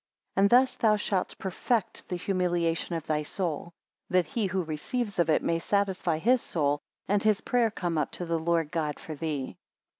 31 And thus thou shalt perfect the humiliation of thy soul; that he who receives of it may satisfy his soul, and his prayer come up to the Lord God for thee.